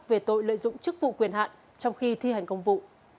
về tội lợi dụng chức vụ quyền hạn trong khi thi hành công vụ